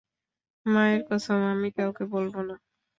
মায়ের কসম আমি কাউকে বলবো না!